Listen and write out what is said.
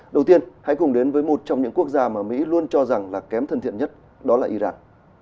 đầu tiên hãy cùng đến với một trong những quốc gia mà mỹ luôn cho rằng là kém thân thiện nhất đó là iran